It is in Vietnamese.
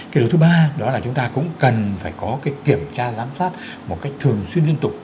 cái điều thứ ba đó là chúng ta cũng cần phải có cái kiểm tra giám sát một cách thường xuyên liên tục